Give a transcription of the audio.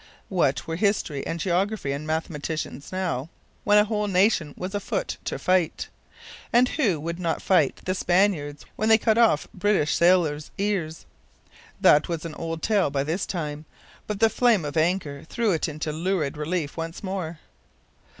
What were history and geography and mathematics now, when a whole nation was afoot to fight! And who would not fight the Spaniards when they cut off British sailors' ears? That was an old tale by this time; but the flames of anger threw it into lurid relief once more.